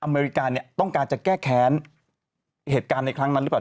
อเมริกาเนี่ยต้องการจะแก้แค้นเหตุการณ์ในครั้งนั้นหรือเปล่า